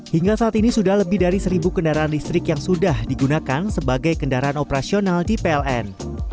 hingga saat ini sudah lebih dari seribu kendaraan listrik yang sudah digunakan sebagai kendaraan operasional di pln